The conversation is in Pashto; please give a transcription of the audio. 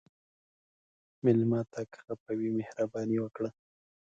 مېلمه ته که خفه وي، مهرباني وکړه.